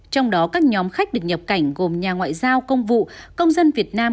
trong đó các nhóm khách được nhập cảnh gồm nhà ngoại giao công vụ công dân việt nam